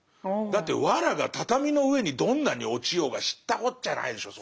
だって藁が畳の上にどんなに落ちようが知ったこっちゃないでしょ